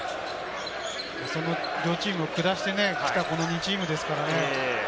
その両チームを下してきた、この２チームですからね。